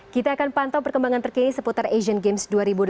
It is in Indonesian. kita akan pantau perkembangan terkini seputar asian games dua ribu delapan belas